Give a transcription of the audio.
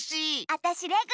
あたしレグ。